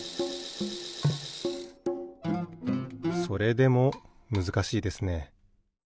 それでもむずかしいですね。